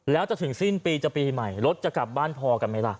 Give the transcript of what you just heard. แล้วจะถึงสิ้นปีจะปีใหม่รถจะกลับบ้านพอกันไหมล่ะ